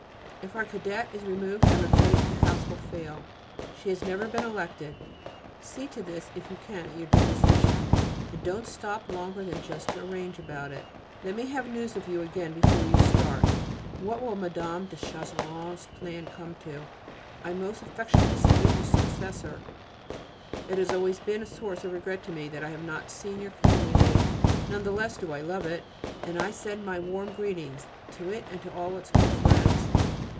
If our Cadette is removed I am afraid that house will fail. She has never been elected: see to this if you can at your deposition, and don't stop longer than just to arrange about it. Let me have news of you again before you start. What will Mme. de Chazeron's plan come to? I most affectionately salute your successor. It has always been a source of regret to me that I have not seen your community: none the less do I love it, and I send my warm greetings to it and to all its good friends.